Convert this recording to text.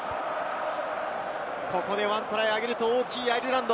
１トライ挙げると大きい、アイルランド。